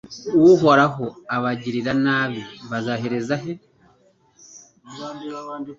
uhoraho, abagiranabi bazahereza he